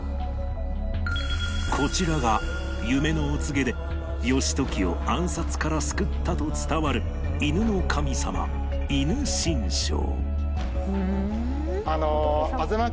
こちらが夢のお告げで義時を暗殺から救ったと伝わる犬の神様戌神将